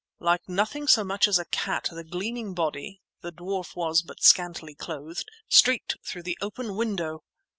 Like nothing so much as a cat, the gleaming body (the dwarf was but scantily clothed) streaked through the open window!